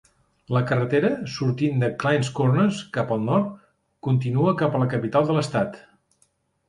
La carretera, sortint de Clines Corners cap al nord, continua cap a la capital de l'estat.